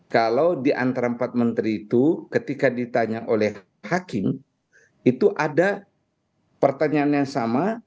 kalau diantara empat menteri itu ketika ditanya oleh hakim itu ada pertanyaan yang sama